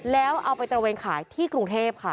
แล้วเอาไปตระเวนขายที่กรุงเทพค่ะ